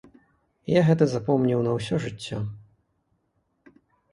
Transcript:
Я гэта запомніў на ўсё жыццё.